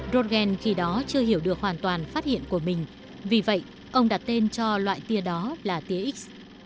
brogen khi đó chưa hiểu được hoàn toàn phát hiện của mình vì vậy ông đặt tên cho loại tia đó là tia x